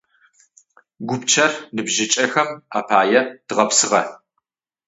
Гупчэр ныбжьыкӏэхэм апае дгъэпсыгъэ.